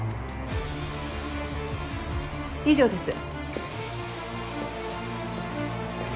以上です。